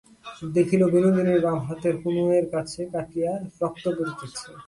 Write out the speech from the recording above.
দেখিল, বিনোদিনীর বাম হাতের কনুয়ের কাছে কাটিয়া রক্ত পড়িতেছে।